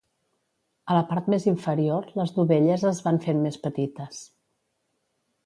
A la part més inferior, les dovelles es van fent més petites.